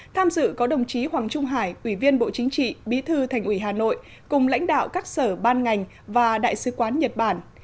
tham dự có đồng chí hoàng trung hải ủy viên bộ chính trị bí thư thành ủy hà nội cùng lãnh đạo các sở ban ngành và đại sứ quán nhật bản